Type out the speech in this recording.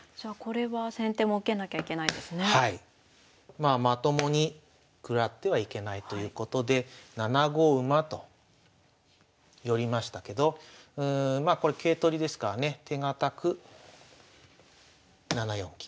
まあまともに食らってはいけないということで７五馬と寄りましたけどまあこれ桂取りですからね手堅く７四金と。